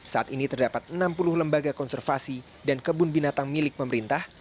saat ini terdapat enam puluh lembaga konservasi dan kebun binatang milik pemerintah